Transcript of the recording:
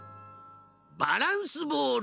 バランスボール！